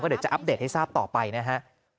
เดี๋ยวจะอัปเดตให้ทราบต่อไปนะฮะ